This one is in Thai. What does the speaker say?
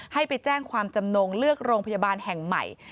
ให้ไปแจ้งความจำนงเลือกโรงพยาบาลแห่งใหม่